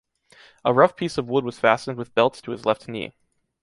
A rough piece of wood was fastened with belts to his left knee.